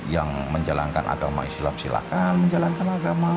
yang menjalankan agama islam silakan menjalankan agama